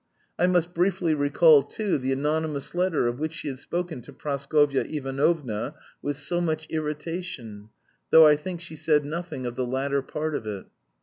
I must briefly recall, too, the anonymous letter of which she had spoken to Praskovya Ivanovna with so much irritation, though I think she said nothing of the latter part of it.